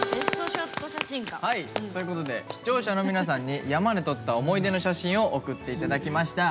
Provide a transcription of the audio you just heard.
視聴者の皆さんに山で撮った思い出の写真を送っていただきました。